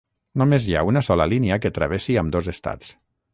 Només hi ha una sola línia que travessi ambdós estats.